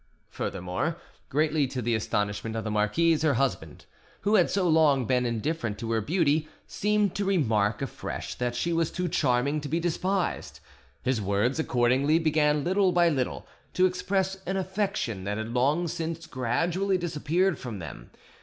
Furthermore; greatly to the astonishment of the marquise, her husband, who had so long been indifferent to her beauty, seemed to remark afresh that she was too charming to be despised; his words accordingly began little by little to express an affection that had long since gradually disappeared from them.